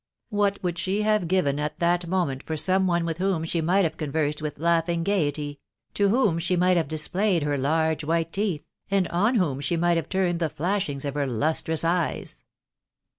What would she have given at that moment for some one with whom she might have conversed with laughing gaiety .... to whom she might have displayed her large white teeth .... and on whom she might have turned the flashings of her lustrous eyes